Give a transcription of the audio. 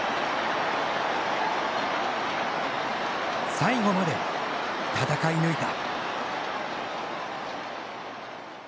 最後まで戦い抜いた。